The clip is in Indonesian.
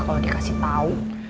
kalau dikasih tau